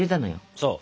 そう。